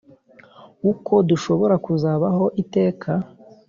uko dushobora kuzabaho iteka